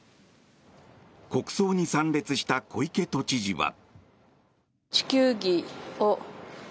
国葬に参列した小池都知事は。